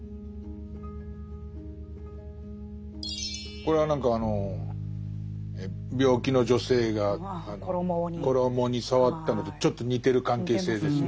これは何かあの病気の女性が衣に触ったのとちょっと似てる関係性ですね。